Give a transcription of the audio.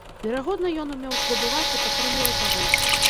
Верагодна ён умеў здабываць і падтрымліваць агонь.